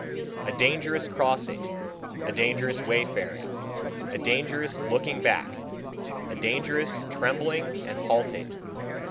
A dangerous crossing, a dangerous wayfaring, a dangerous looking back, a dangerous trembling and halting.